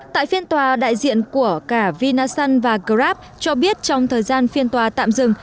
tại phiên tòa đại diện của cả vinasun và grab cho biết trong thời gian phiên tòa tạm dừng